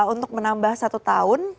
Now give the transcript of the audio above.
untuk menambah satu tahun